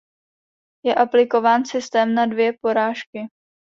Je aplikován systém na dvě porážky.